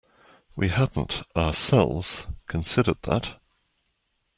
We hadn't, ourselves, considered that.